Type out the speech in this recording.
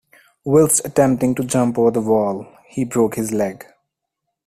Whilst attempting to jump over the wall, he broke his leg.